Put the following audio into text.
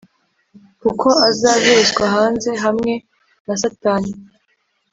kukw azahezwa hanze hamwe na satani.